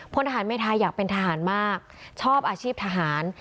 พลทหารเมธาอยากเป็นทหารมากชอบอาชีพทหาร